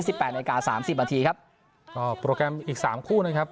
แปดนาฬิกาสามสิบนาทีครับก็โปรแกรมอีกสามคู่นะครับ